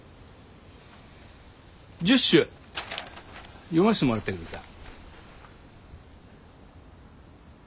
１０首読ましてもらったけどさぁ。